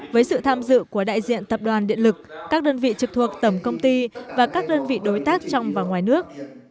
với sự tham dự của đại diện tập đoàn điện lực các đơn vị trực thuộc tổng công ty và các đơn vị đối tác trong và ngoài nước